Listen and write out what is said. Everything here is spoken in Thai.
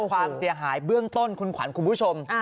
ความเสียหายเบื้องต้นคุณขวัญคุณผู้ชม